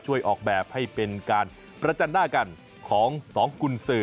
ออกแบบให้เป็นการประจันหน้ากันของสองกุญสือ